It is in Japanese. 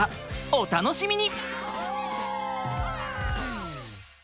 お楽しみに！